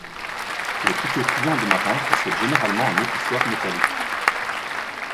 Les couteaux pliants de marins possèdent généralement un épissoir métallique.